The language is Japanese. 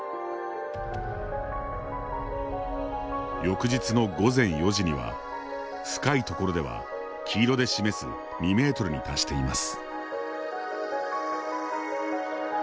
翌日の午前４時には深いところでは黄色で示す２メートルに達しています。